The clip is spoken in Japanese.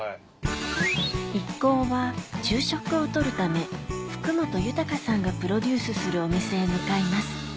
一行は昼食を取るため福本豊さんがプロデュースするお店へ向かいます